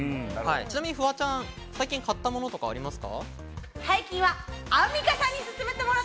ちなみにフワちゃん、最近買ったものはありますか？